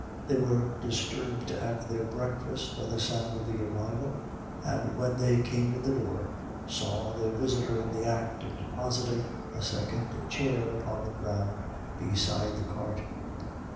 They were disturbed at their breakfast by the sound of the arrival, and when they came to the door, saw their visitor in the act of depositing a second chair upon the ground beside the cart.